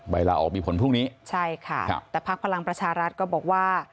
ไปละออกมีผลพรุ่งนี้ใช่ค่ะแต่พลังพลัชารัฐก็บอกว่า